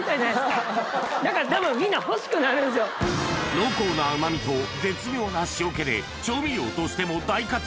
濃厚な甘みと絶妙な塩気で調味料としても大活躍